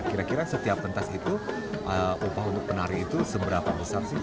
kira kira setiap pentas itu upah untuk penari itu seberapa besar sih